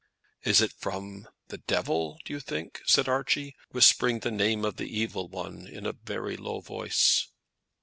"Is it from the devil, do you think?" said Archie, whispering the name of the Evil One in a very low voice.